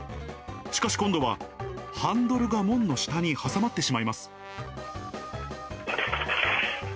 しかし、今度はハンドルが門の下に挟まってしまいます。